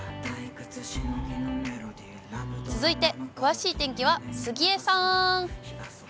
続いて、詳しい天気は杉江さん。